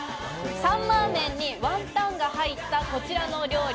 サンマーメンにワンタンが入ったこちらの料理。